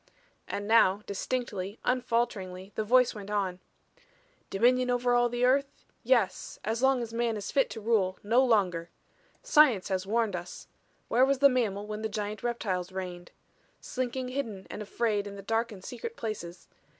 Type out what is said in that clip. And now distinctly, unfalteringly, the voice went on: "Dominion over all the earth? Yes as long as man is fit to rule; no longer. Science has warned us. Where was the mammal when the giant reptiles reigned? Slinking hidden and afraid in the dark and secret places.